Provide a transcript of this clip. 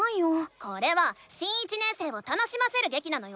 これは新１年生を楽しませるげきなのよ！